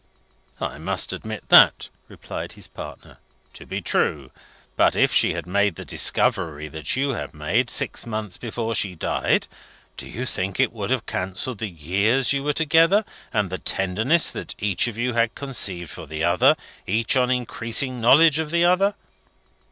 "I must admit that," replied his partner, "to be true. But if she had made the discovery that you have made, six months before she died, do you think it would have cancelled the years you were together, and the tenderness that each of you had conceived for the other, each on increasing knowledge of the other?"